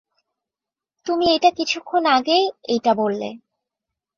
তুমি এইটা কিছুক্ষণ আগেই এইটা বললে।